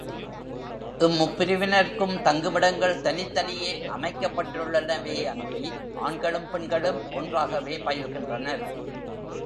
இம் முப்பிரிவினர்க்கும் தங்குமிடங்கள் தனித்தனியே அமைக்கப்பட்டுள்ளனவேயன்றி, ஆண்களும் பெண்களும் ஒன்றாகவே பயில்கின்றனர்.